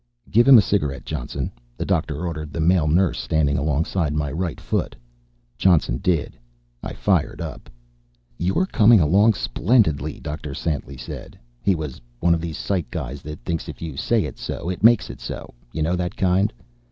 "Give him a cigarette, Johnson," the doctor ordered the male nurse standing alongside my right foot. Johnson did. I fired up. "You're coming along splendidly," Dr. Santly said. He was one of these psych guys that thinks if you say it's so, it makes it so. You know that kind?